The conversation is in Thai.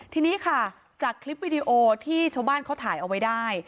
ทีนี้ค่ะจากคลิปวิดีโอที่ชาวบ้านเขาถ่ายเอาไว้ได้